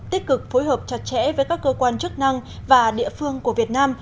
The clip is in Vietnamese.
tích cực phối hợp chặt chẽ với các cơ quan chức năng và địa phương của việt nam